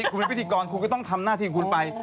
คุณเป็นพิธีกรคุณก็ต้องทำหน้าที่ของคุณไป